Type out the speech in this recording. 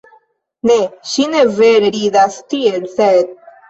Ne, ŝi ne vere ridas tiel, sed...